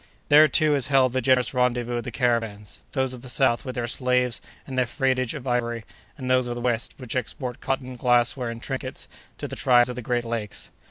There, too, is held the general rendezvous of the caravans—those of the south, with their slaves and their freightage of ivory; and those of the west, which export cotton, glassware, and trinkets, to the tribes of the great lakes.